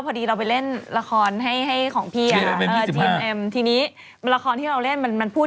พอดีเราไปเล่นละครให้ให้ของพี่อ่ะเออทีมเอ็มทีนี้ละครที่เราเล่นมันมันพูด